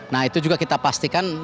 nah itu juga kita pastikan